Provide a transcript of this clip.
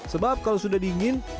sebab kalau sudah dimasukkan